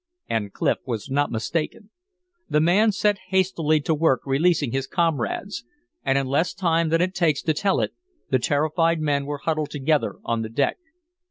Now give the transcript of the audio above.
And Clif was not mistaken. The man set hastily to work releasing his comrades, and in less time than it takes to tell it the terrified men were huddled together on the deck.